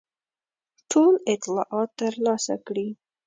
ټول اطلاعات ترلاسه کړي.